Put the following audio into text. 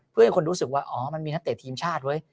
เพื่อให้คนรู้สึกว่าอ๋อมันมีนักเตะทีมชาติเว้ย